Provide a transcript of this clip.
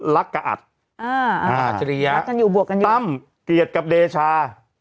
รักกับอัดอ่าอ่าเฉลี่ยรักกันอยู่บวกกันอยู่ตั้มเกลียดกับเดชา